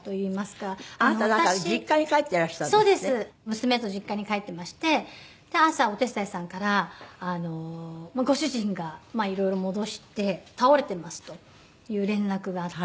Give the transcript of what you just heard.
娘と実家に帰ってまして朝お手伝いさんから「ご主人が色々戻して倒れてます」という連絡があって。